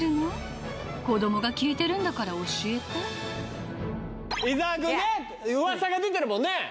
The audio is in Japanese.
こどもが聞いてるんだから教えて伊沢くんねうわさが出てるもんね。